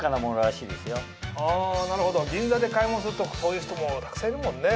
あなるほど銀座で買い物するとそういう人たくさんいるもんね。